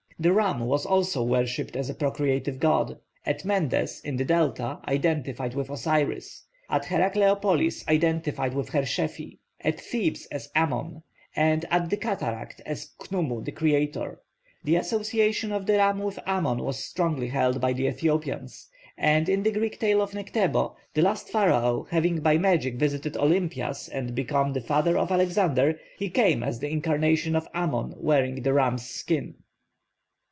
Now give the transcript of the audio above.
The ram was also worshipped as a procreative god; at Mendes in the Delta identified with Osiris, at Herakleopolis identified with Hershefi, at Thebes as Amon, and at the cataract as Khnumu the creator. The association of the ram with Amon was strongly held by the Ethiopians; and in the Greek tale of Nektanebo, the last Pharaoh, having by magic visited Olympias and become the father of Alexander, he came as the incarnation of Amon wearing the ram's skin.